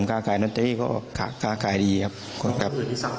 ข้าขายข้าขายอันตรีก็ข้าขายดีครับ